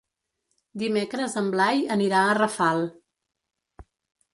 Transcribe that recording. Dimecres en Blai anirà a Rafal.